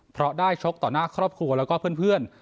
เพราะได้ชกต่อหน้าครอบครัวแล้วก็เพื่อน